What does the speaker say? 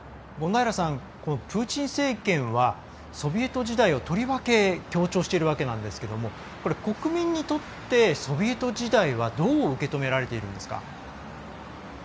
プーチン政権はソビエト時代をとりわけ強調しているわけなんですけれど国民にとってソビエト時代はどう受け止められているんですか。